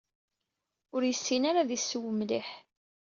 Ur yessin ara ad yesseww mliḥ.